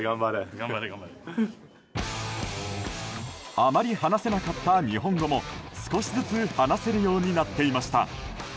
あまり話せなかった日本語も少しずつ話せるようになっていました。